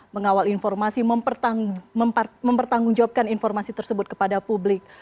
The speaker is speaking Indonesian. mengawal informasi mempertanggungjawabkan informasi tersebut kepada publik